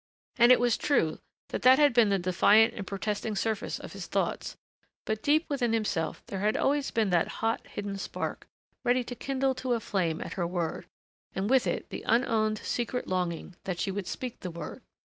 And it was true that had been the defiant and protesting surface of his thoughts, but deep within himself there had always been that hot, hidden spark, ready to kindle to a flame at her word and with it the unowned, secret longing that she would speak the word.